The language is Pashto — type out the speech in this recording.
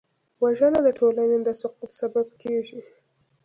وژنه د ټولنې د سقوط سبب کېږي